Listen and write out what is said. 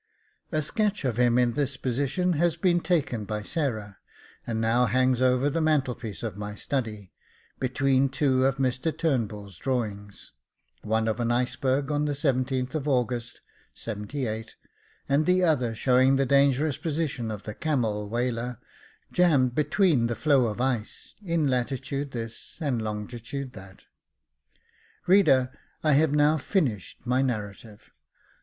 A sketch of him, in this position, has been taken by Sarah, and now hangs over the mantel piece of my study, between two of Mr Turnbull's drawings, one of an iceberg on the 17th of August, '78, and the other showing the dangerous position of the Came'/ whaler, jammed between the floe of ice, in latitude , and longitude Reader, I have now finished my narrative.